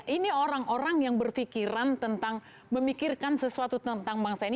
ini orang orang yang berpikiran tentang memikirkan sesuatu tentang bangsa ini